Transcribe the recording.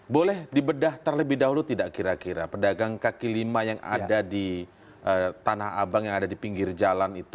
boleh dibedah terlebih dahulu tidak kira kira pedagang kaki lima yang ada di tanah abang yang ada di pinggir jalan itu